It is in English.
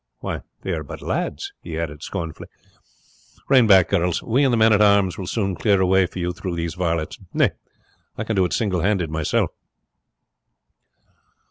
Why, they are but lads," he added scornfully. "Rein back, girls; we and the men at arms will soon clear a way for you through these varlets. Nay, I can do it single handed myself."